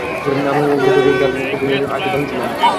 আমরা এমন একজন কোচ পেয়েছি, যাঁর ফুটবল নিয়ে আছে দারুণসব ভাবনা।